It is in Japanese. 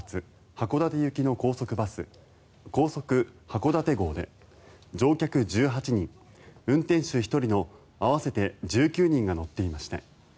函館行きの高速バス高速はこだて号で乗客１８人、運転手１人の合わせて１９人が乗っていました。